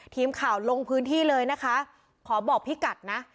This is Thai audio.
ทีมข่าวลงพื้นที่เลยนะคะขอบอกพี่กัดนะ